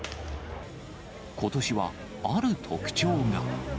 ことしは、ある特徴が。